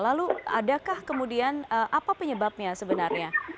lalu adakah kemudian apa penyebabnya sebenarnya